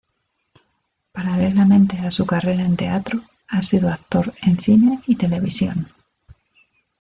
Paralelamente a su carrera en teatro, ha sido actor en cine y televisión.